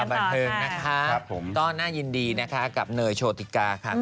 บรรเทิงนะครับต้อน่ายินดีกับเนยโชติกา